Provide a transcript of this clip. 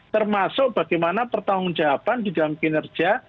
termasuk bagaimana pertanggung jawaban di dalam kinerja